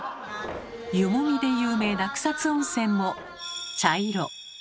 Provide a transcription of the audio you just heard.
湯もみで有名な草津温泉も茶色。